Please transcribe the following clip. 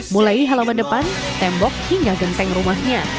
mulai halaman depan tembok hingga genteng rumahnya